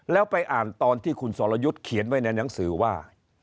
แล้วไปอ่านตอนที่คุณสรยุทธ์เขียนไว้ในหนังสือว่า